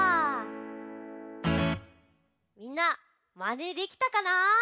みんなまねできたかな？